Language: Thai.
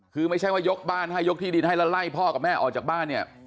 คือไม่ใช่ว่ายกบ้านให้ยกที่ดินให้แล้วไล่พ่อกับแม่ออกจากบ้านเนี่ย